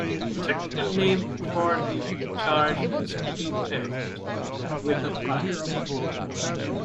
The technical name for the charge is petty theft with a prior.